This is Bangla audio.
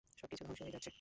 সবকিছুই ধ্বংস হয়ে যাচ্ছে।